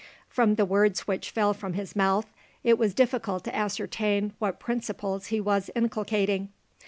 From the words which fell from his mouth it was difficult to ascertain what principles he was inculcating.